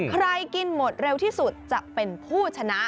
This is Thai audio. กินหมดเร็วที่สุดจะเป็นผู้ชนะ